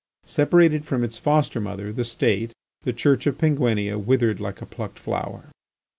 Separated from its foster mother, the State, the Church of Penguinia withered like a plucked flower.